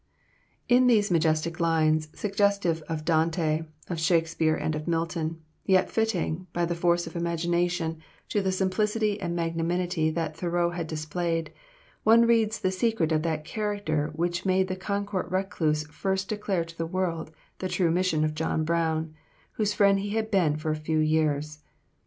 In these majestic lines, suggestive of Dante, of Shakespeare, and of Milton, yet fitting, by the force of imagination, to the simplicity and magnanimity that Thoreau had displayed, one reads the secret of that character which made the Concord recluse first declare to the world the true mission of John Brown, whose friend he had been for a few years.